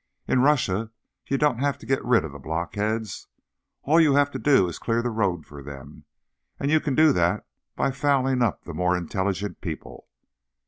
In Russia, you don't have to get rid of the blockheads. All you have to do is clear the road for them. And you can do that by fouling up the more intelligent people.